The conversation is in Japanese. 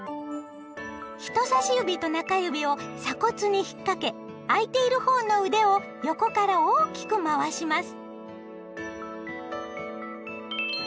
人さし指と中指を鎖骨にひっかけ空いている方の腕を横から大きくまわします。